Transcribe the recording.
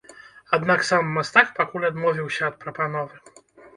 Аднак сам мастак пакуль адмовіўся ад прапановы.